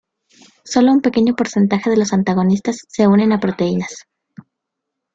Solo un pequeño porcentaje de los antagonistas se unen a proteínas.